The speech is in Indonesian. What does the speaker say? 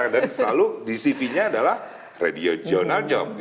dan selalu dcv nya adalah radio jurnal job